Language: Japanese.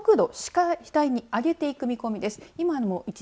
速度次第に上げていく見込みです。